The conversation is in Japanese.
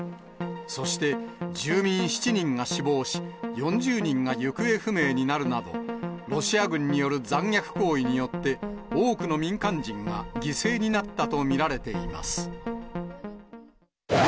そして、住民７人が死亡し、４０人が行方不明になるなど、ロシア軍による残虐行為によって、多くの民間人が犠牲になったと見られています。